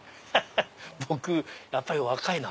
僕やっぱり若いな。